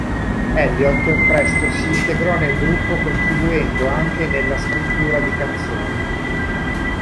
Elliott presto si integrò nel gruppo contribuendo anche nella scrittura di canzoni.